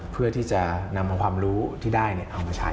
เพื่อที่จะนำเอาความรู้ที่ได้เอามาใช้